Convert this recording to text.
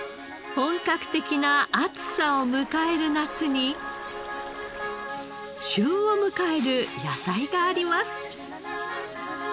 本格的な暑さを迎える夏に旬を迎える野菜があります。